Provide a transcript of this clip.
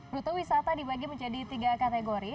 rute wisata dibagi menjadi tiga kategori